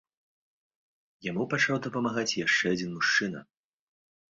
Яму пачаў дапамагаць яшчэ адзін мужчына.